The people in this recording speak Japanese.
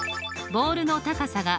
ボールの高さが。